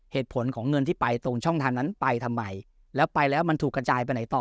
เหตุผลของเงินที่ไปตรงช่องทางนั้นไปทำไมแล้วไปแล้วมันถูกกระจายไปไหนต่อ